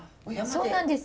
そうなんです。